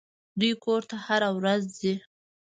دوى کور ته هره ورځ ځي.